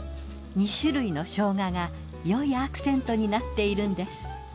２種類の生姜がよいアクセントになっているんです。